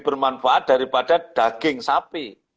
bermanfaat daripada daging sapi